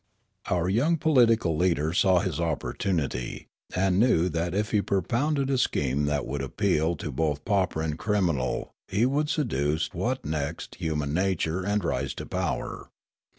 Our young political leader saw his opportunity, and knew that if he propounded a scheme that would appeal to both pauper and criminal he would seduce Wotnek stian human nature and rise into power.